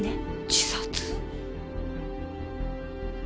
自殺？